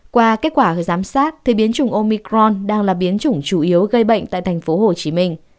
qua kết quả giám sát biến chủng omicron đang là biến chủng chủ yếu gây bệnh tại tp hcm